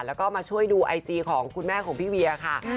แล้วก็มาช่วยดูไอจีของคุณแม่ของพี่เวียค่ะ